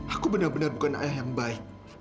aku benar benar bukan ayah yang baik